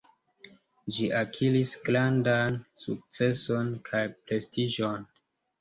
Ĝi akiris grandan sukceson kaj prestiĝon.